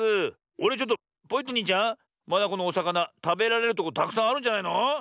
あれちょっとポイットニーちゃんまだこのおさかなたべられるとこたくさんあるんじゃないの？